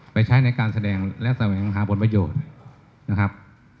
ไปใช้ในการแสดงและสวัสดิ์หาบทประโยชน์นะครับ